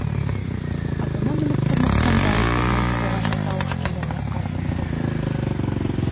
Атына менеп тормаҫтан, Дауыт урман һыҙығы аша тауыш килгән яҡҡа ашыҡты.